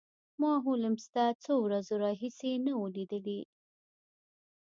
ما هولمز له څو ورځو راهیسې نه و لیدلی